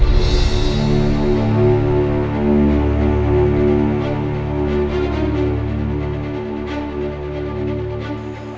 dan pasoknya bisa